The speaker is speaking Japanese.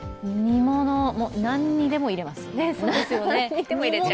何にでも入れます。